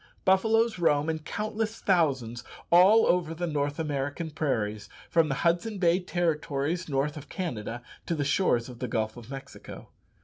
Buffaloes roam in countless thousands all over the North American prairies, from the Hudson Bay Territories, north of Canada, to the shores of the Gulf of Mexico.